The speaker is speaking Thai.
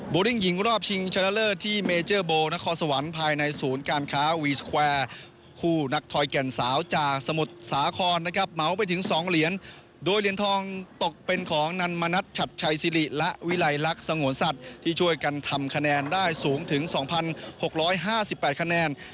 ริ่งหญิงรอบชิงชนะเลิศที่เมเจอร์โบนครสวรรค์ภายในศูนย์การค้าวีสแควร์คู่นักถอยแก่นสาวจากสมุทรสาครนะครับเหมาไปถึง๒เหรียญโดยเหรียญทองตกเป็นของนันมณัฐฉัดชัยสิริและวิลัยลักษณ์สงวนสัตว์ที่ช่วยกันทำคะแนนได้สูงถึง๒๖๕๘คะแนน